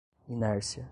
inércia